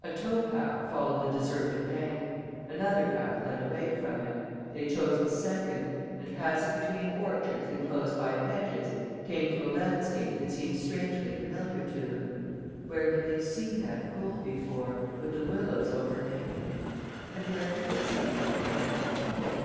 A tow path followed the deserted bank. Another path led away from it. They chose the second and, passing between orchards enclosed by hedges, came to a landscape that seemed strangely familiar to them. Where had they seen that pool before, with the willows overhanging it? And where had they seen that abandoned hovel?